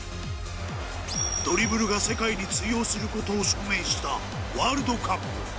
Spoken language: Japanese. ドリブルが世界に通用することを証明したワールドカップ。